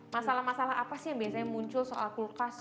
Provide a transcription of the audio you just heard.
masalah masalah apa sih yang biasanya muncul soal kulkas